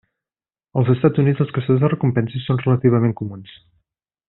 Als Estats Units, els caçadors de recompenses són relativament comuns.